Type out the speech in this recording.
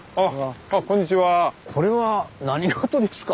これは何事ですか？